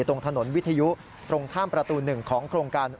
ตรงถนนวิทยุตรงข้ามประตู๑ของโครงการ